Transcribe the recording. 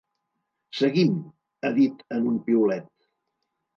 Seguim!, ha dit en un piulet.